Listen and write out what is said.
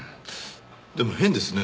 でも変ですね。